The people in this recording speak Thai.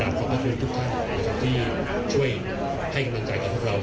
กรรมขอบคุณทุกท่านที่ช่วยให้กำเนินใจกับพวกเรา